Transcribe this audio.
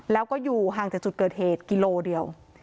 แล้วก็อยู่ห่างจากจุดเกิดเหตุกิโลเดียว